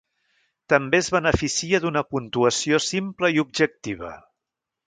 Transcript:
També es beneficia d'una puntuació simple i objectiva.